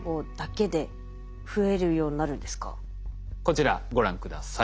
こちらご覧下さい。